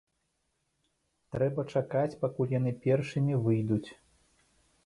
Трэба чакаць, пакуль яны першымі выйдуць.